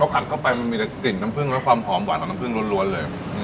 กัดเข้าไปมันมีแต่กลิ่นน้ำผึ้งและความหอมหวานของน้ำผึ้งล้วนเลย